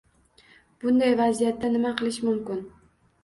Bunday vaziyatda nima qilish mumkin?